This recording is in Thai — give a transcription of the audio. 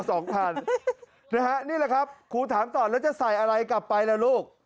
นี่แหละครับครูถามต่อแล้วจะใส่อะไรกลับไปล่ะลูก